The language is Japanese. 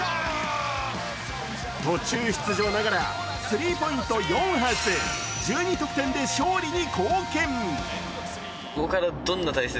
途中出場ながらスリーポイント４発１２得点で勝利に貢献。